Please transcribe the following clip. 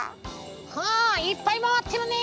あいっぱいまわってるね。